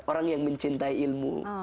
orang yang mencintai ilmu